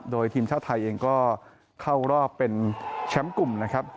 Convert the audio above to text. โดยทีมชาติไทยเองก็เข้ารอบเป็นแชมป์กลุ่มนะครับ